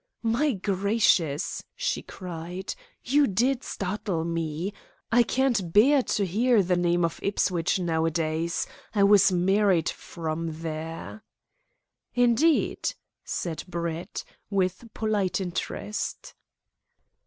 "My gracious!" she cried, "you did startle me. I can't bear to hear the name of Ipswich nowadays. I was married from there." "Indeed!" said Brett, with polite interest.